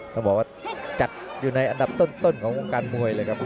ต้องบอกว่าจัดอยู่ในอันดับต้นของวงการมวยเลยครับ